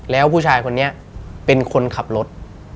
แล้วผู้ชายคนนี้เป็นคนขับรถ